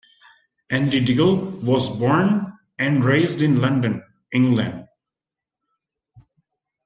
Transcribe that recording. Andy Diggle was born and raised in London, England.